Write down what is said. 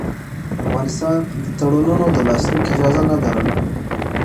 افغانستان د تړونونو د لاسلیک اجازه نه لرله.